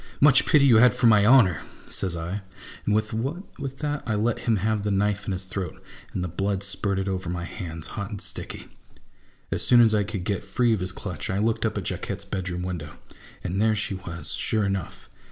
" Much pity you had for my honour !" says I, and with that I let him have the knife in his throat, and the blood spurted over my hands hot and sticky. As soon as I could get free of his clutch, I looked up at Jacquette's bedroom window, and there she was, sure enough